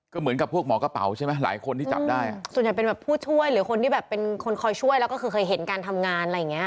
ก็เหมือนกับพวกหมอกระเป๋าใช่ไหมหลายคนที่จับได้อ่ะส่วนใหญ่เป็นแบบผู้ช่วยหรือคนที่แบบเป็นคนคอยช่วยแล้วก็คือเคยเห็นการทำงานอะไรอย่างเงี้